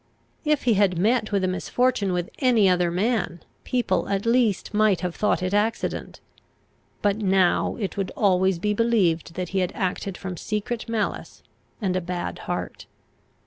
If he had met with a misfortune with any other man, people at least might have thought it accident; but now it would always be believed that he had acted from secret malice and a bad heart.